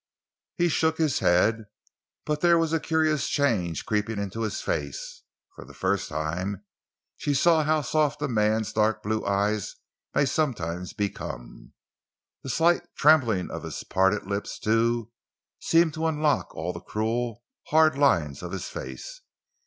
He shook his head, but there was a curious change creeping into his face. For the first time she saw how soft a man's dark blue eyes may sometimes become. The slight trembling of his parted lips, too, seemed to unlock all the cruel, hard lines of his face.